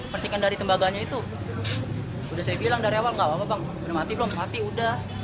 percikan dari tembaganya itu udah saya bilang dari awal gak apa apa bang udah mati belum mati udah